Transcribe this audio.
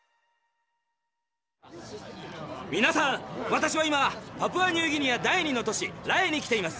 「私は今パプアニューギニア第２の都市ラエに来ています。